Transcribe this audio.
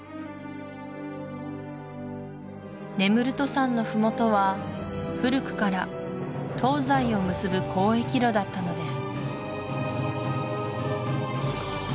ネムルト山の麓は古くから東西を結ぶ交易路だったのです